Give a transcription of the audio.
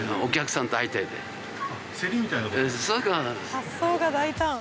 発想が大胆。